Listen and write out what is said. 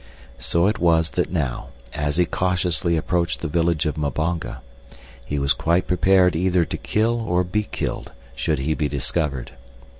So it was that now, as he cautiously approached the village of Mbonga, he was quite prepared either to kill or be killed should he be discovered.